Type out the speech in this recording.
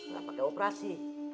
gak pake operasi